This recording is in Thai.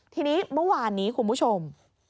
ทีนี้เมื่อวานนี้คุณผู้ชม